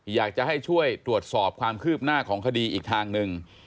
อยากจะให้ช่วยตรวจสอบความคืบหน้าของคดีอีกทางหนึ่ง